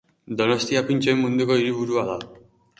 Donostia pintxoen munduko hiriburua da.